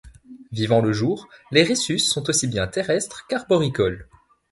Vivant le jour, les rhésus sont aussi bien terrestres qu'arboricoles.